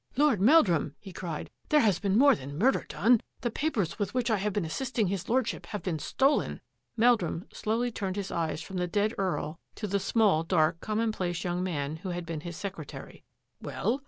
" Lord Meldrum," he cried, " there has been more than murder done. The papers with which I have been assisting his Lordship have been stolen !" Meldrum slowly turned his eyes from the dead Earl to the small, dark, commonplace young man who had been his secretary. " Well?